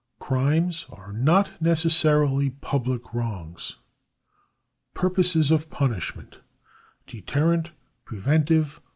Crimes not necessarily public wrongs. Purposes of punishment :— 1. Deterrent. 2. Preventive.